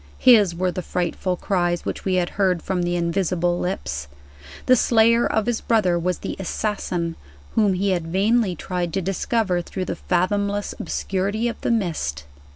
His were the frightful cries which we had heard from invisible lips. The slayer of his brother was the "assassin" whom he had vainly tried to discover through the fathomless obscurity of the mist.